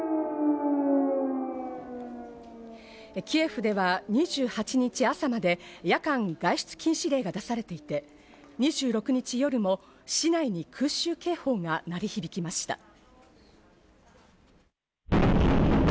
キエフでは２８日朝まで、夜間外出禁止令が出されていて、２６日夜も市内に空襲警報が鳴り響きました。